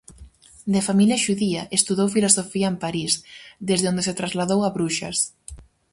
De familia xudía, estudou filosofía en París, desde onde se trasladou a Bruxas.